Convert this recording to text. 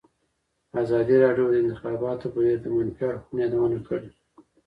ازادي راډیو د د انتخاباتو بهیر د منفي اړخونو یادونه کړې.